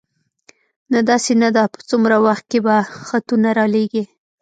نه، داسې نه ده، په څومره وخت کې به خطونه را لېږې؟